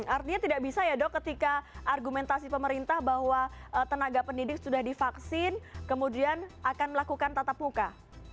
artinya tidak bisa ya dok ketika argumentasi pemerintah bahwa tenaga pendidik sudah divaksin kemudian akan melakukan tatap muka